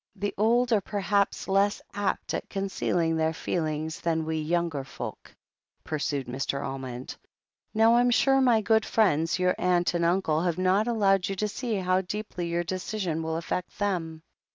"The old are perhaps less apt at concealing their feelings than we younger folk," pursued Mr. Almond. "Now, I'm sure my good friends, your aunt and uncle, have not allowed you to see how deeply your decision will affect them."